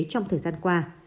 trong thời gian này